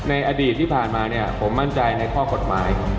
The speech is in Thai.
ในอดีตที่ผ่านมาเนี่ยผมมั่นใจในข้อกฎหมาย